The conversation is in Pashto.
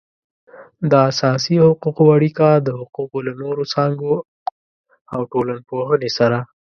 د اساسي حقوقو اړیکه د حقوقو له نورو څانګو او ټولنپوهنې سره